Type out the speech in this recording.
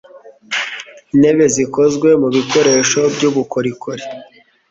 Intebe zikozwe mubikoresho byubukorikori.